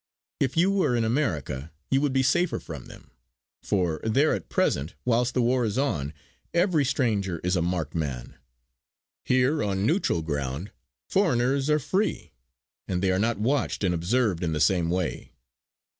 If you were in America you would be safer from them; for there at present, whilst the war is on, every stranger is a marked man. Here, on neutral ground, foreigners are free; and they are not watched and observed in the same way.